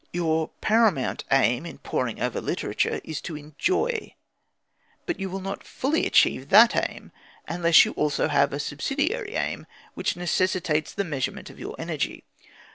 Your paramount aim in poring over literature is to enjoy, but you will not fully achieve that aim unless you have also a subsidiary aim which necessitates the measurement of your energy.